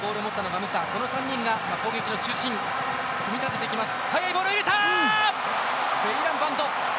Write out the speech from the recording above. この３人が攻撃の中心組み立ててきます。